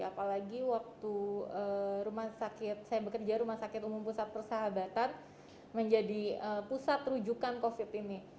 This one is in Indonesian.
apalagi waktu saya bekerja di rumah sakit umum pusat persahabatan menjadi pusat rujukan covid sembilan belas ini